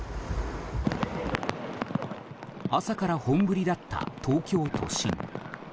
朝から本降りだった東京都心。